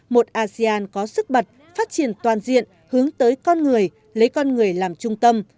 một asean có sức bật phát triển toàn diện hướng tới con người lấy con người làm trung tâm